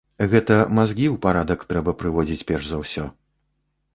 Гэта мазгі ў парадак трэба прыводзіць перш за ўсё.